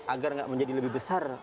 agar tidak menjadi lebih besar